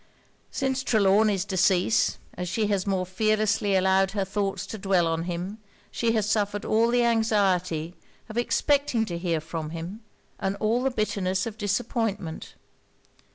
Since Trelawny's decease, as she has more fearlessly allowed her thoughts to dwell on him, she has suffered all the anxiety of expecting to hear from him, and all the bitterness of disappointment.